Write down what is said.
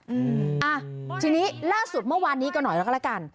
อืมอ่ะทีนี้ล่าสุดเมื่อวานนี้ก็หน่อยแล้วก็ละกัน